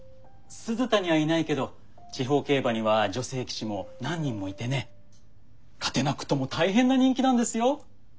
鈴田にはいないけど地方競馬には女性騎手も何人もいてね勝てなくとも大変な人気なんですよ。